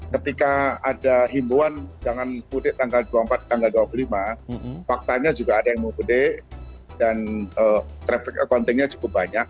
ketika ada himbuan jangan mudik tanggal dua puluh empat tanggal dua puluh lima faktanya juga ada yang mau gede dan traffic accountingnya cukup banyak